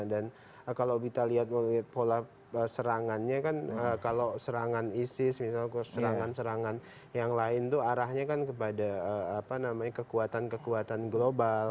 dan kalau kita lihat pola serangannya kan kalau serangan isis misalnya serangan serangan yang lain itu arahnya kan kepada kekuatan kekuatan global